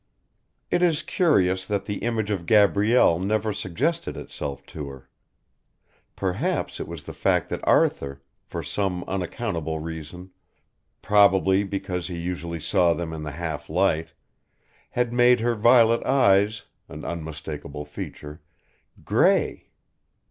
It is curious that the image of Gabrielle never suggested itself to her. Perhaps it was the fact that Arthur, for some unaccountable reason, probably because he usually saw them in a half light, had made her violet eyes an unmistakable feature grey.